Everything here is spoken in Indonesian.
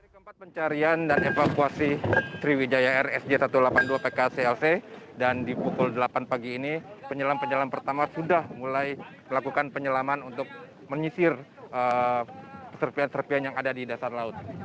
kempat pencarian dan evakuasi sriwijaya rsj satu ratus delapan puluh dua pk clc dan di pukul delapan pagi ini penyelam penyelam pertama sudah mulai melakukan penyelaman untuk menyisir serpian serpian yang ada di dasar laut